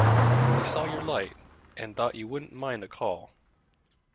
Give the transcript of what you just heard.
We saw your light, and thought you wouldn't mind a call.